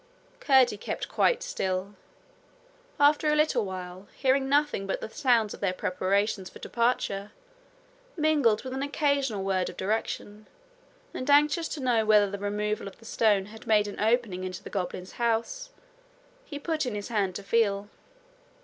Curdie kept quite still. After a little while, hearing nothing but the sounds of their preparations for departure, mingled with an occasional word of direction, and anxious to know whether the removal of the stone had made an opening into the goblins' house, he put in his hand to feel.